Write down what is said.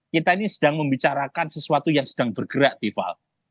kita ini sedang membicarakan sesuatu yang sedang bergerak dival